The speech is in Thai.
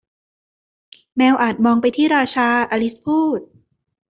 แมวอาจมองไปที่ราชา อลิซพูด